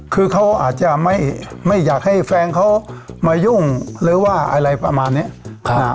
คือเขาอาจจะไม่อยากให้แฟนเขามายุ่งหรือว่าอะไรประมาณเนี้ย